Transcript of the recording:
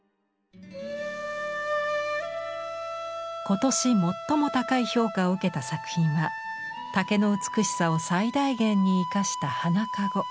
今年最も高い評価を受けた作品は竹の美しさを最大限に生かした花籠。